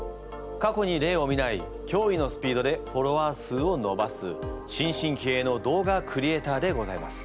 過去に例を見ないきょういのスピードでフォロワー数をのばす新進気鋭の動画クリエーターでございます。